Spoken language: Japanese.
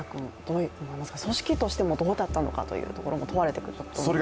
組織としてもどうだったのかというところも問われてきますね。